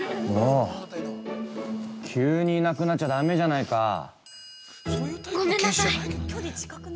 もう、急にいなくなっちゃだめじゃないか。